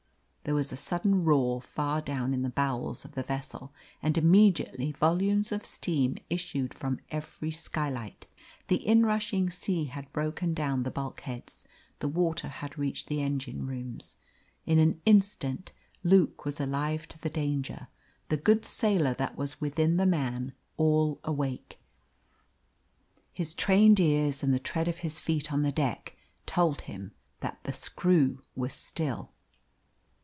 There was a sudden roar far down in the bowels of the vessel, and immediately volumes of steam issued from every skylight. The inrushing sea had broken down the bulk heads, the water had reached the engine rooms. In an instant Luke was alive to the danger the good sailor that was within the man all awake. His trained ears and the tread of his feet on the deck told him that the screw was still.